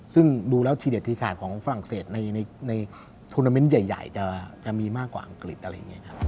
ซึ่งดูแล้วทีเด็ดทีขาดของฝรั่งเศสในทุนาเมนต์ใหญ่จะมีมากกว่าอังกฤษอะไรอย่างนี้ครับ